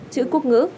chữ quốc ngữ